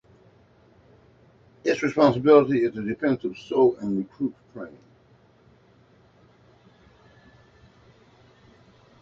Its responsibility is the defense of Seoul and recruit training.